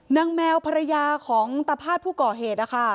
แมวภรรยาของตะพาดผู้ก่อเหตุนะคะ